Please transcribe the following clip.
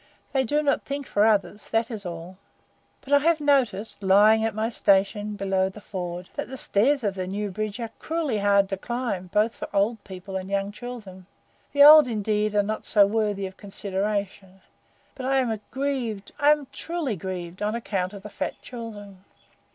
"They do not think for others; that is all. But I have noticed, lying at my station below the ford, that the stairs of the new bridge are cruelly hard to climb, both for old people and young children. The old, indeed, are not so worthy of consideration, but I am grieved I am truly grieved on account of the fat children.